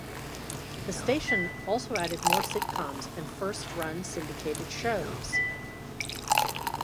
The station also added more sitcoms and first-run syndicated shows.